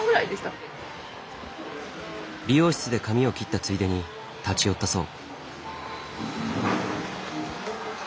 美容室で髪を切ったついでに立ち寄ったそう。